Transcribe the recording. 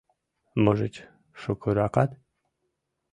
Можыч, шукыракат?..